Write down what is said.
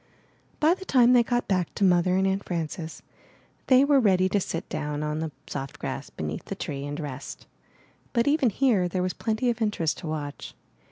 By the time they got back to Mother and Aunt Frances, they were ready to sit down on the 415 MY BOOKHOUSE soft grass beneath the tree and rest. But even here there was plenty of interest to watch.